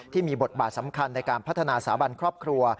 ที่มีบทบาทสำคัญในการพัฒนาสาบันครอบครัว